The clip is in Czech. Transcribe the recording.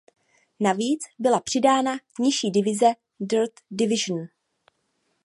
Navíc byla přidána nižší divize Third Division.